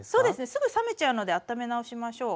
すぐ冷めちゃうのであっため直しましょう。